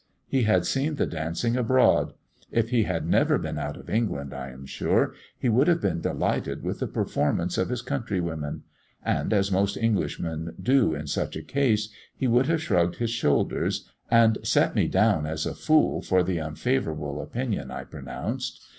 He had seen the dancing abroad. If he had never been out of England, I am sure, he would have been delighted with the performance of his countrywomen; and, as most Englishmen do in such a case, he would have shrugged his shoulders and set me down as a fool for the unfavourable opinion I pronounced.